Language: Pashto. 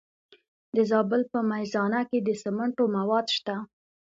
د زابل په میزانه کې د سمنټو مواد شته.